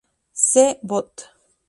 C, Bot.